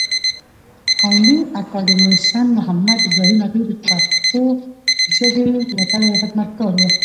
کاندي اکاډميسنمحمد ابراهیم عطایي د پښتو ژبې وتلی خدمتګار و.